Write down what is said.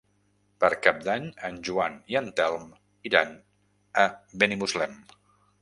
Per Cap d'Any en Joan i en Telm iran a Benimuslem.